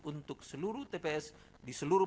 untuk seluruh tps di seluruh